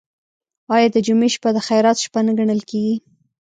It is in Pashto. آیا د جمعې شپه د خیرات شپه نه ګڼل کیږي؟